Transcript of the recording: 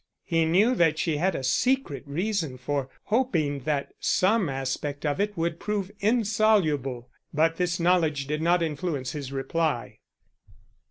He knew that she had a secret reason for hoping that some aspect of it would prove insoluble, but this knowledge did not influence his reply.